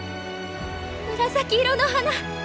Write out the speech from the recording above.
紫色の花。